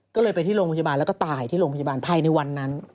ก็เลยไปที่โรงพยาบาลแล้วก็ตายที่โรงพยาบาลภายในวันนั้น